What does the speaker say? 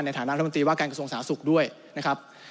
ในฐานะมนตรีว่าการกระทรวงสาวสุขด้วยนะครับ